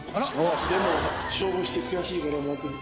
でも、勝負して悔しいから、負けると。